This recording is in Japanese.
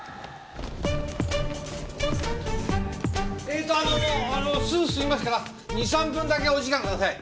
えーとあのすぐ済みますから２３分だけお時間ください。